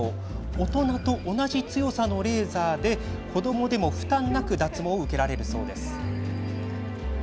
大人と同じ強さのレーザーで子どもでも負担なく脱毛を受けられるそうです。